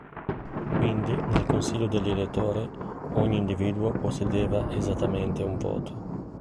Quindi, nel Consiglio degli Elettori, ogni individuo possedeva esattamente un voto.